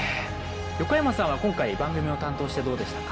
横山さんは今回番組を担当してどうでしたか？